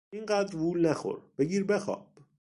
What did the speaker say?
این قدر وول نخور، بگیر بخواب!